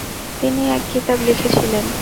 তিনি এক কিতাব লিখেছিলেন।